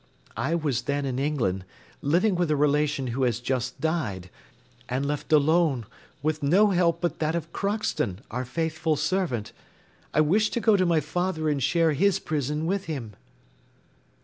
I was then in England, living with a relation who has just died, and left alone, with no help but that of Crockston, our faithful servant, I wished to go to my father and share his prison with him."